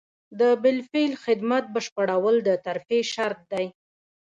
د بالفعل خدمت بشپړول د ترفیع شرط دی.